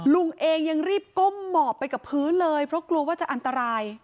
ลุงเองยังรีบก้มหมอบไปกับพื้นเลยเพราะกลัวว่าจะอันตราย